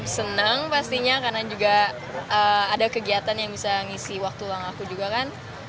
senang pastinya karena juga ada kegiatan yang bisa ngisi waktu uang aku juga kan